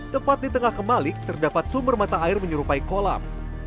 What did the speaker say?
tepat di tengah kemalik terdapat sumber mata air menyerupai kolam